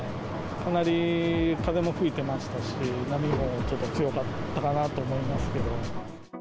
かなり風も吹いてましたし、波もちょっと強かったかなと思いますけど。